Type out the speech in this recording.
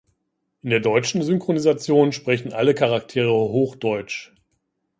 In der deutschen Synchronisation sprechen alle Charaktere Hochdeutsch.